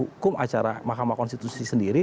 hukum acara mahkamah konstitusi sendiri